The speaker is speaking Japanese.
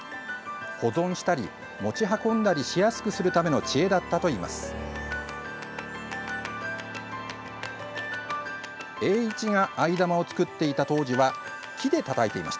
保存したり持ち運んだりしやすくするための知恵だったといいます。